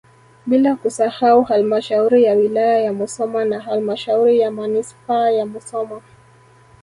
Bila kusahau halmashauri ya wilaya ya Musoma na halmashauri ya manispaa ya Musoma